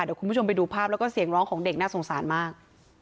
เดี๋ยวคุณผู้ชมไปดูภาพแล้วก็เสียงร้องของเด็กน่าสงสารมาก